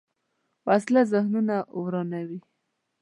وسله ذهنونه ورانوي